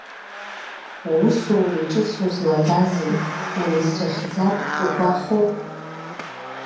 Уусуреи ҿыц узлагази уеицрыхьӡап угәахәуоу?